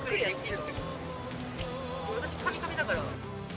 私カミカミだから。